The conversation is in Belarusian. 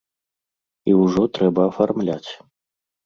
І ўжо трэба афармляць.